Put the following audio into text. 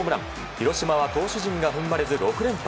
広島は投手陣が踏ん張れず６連敗。